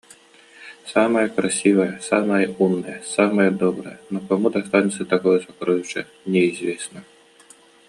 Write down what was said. Самая красивая, самая умная, самая добрая, но кому достанется такое сокровище неизвестно